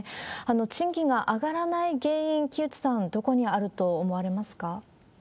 賃金が上がらない原因、木内さん、どこにあると思われますか？